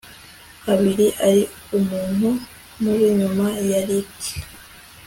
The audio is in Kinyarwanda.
habiri ari umuntu mubi nyuma ya Ricky